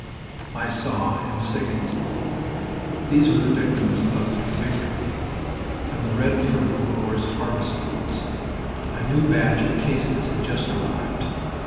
I saw and sickened. These were the victims of "Victory" and the red fruit of war's harvest fields. A new batch of "cases" had just arrived.